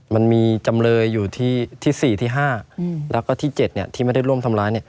มันมีจำเลยอยู่ที่๔ที่๕แล้วก็ที่๗ที่ไม่ได้ร่วมทำร้าย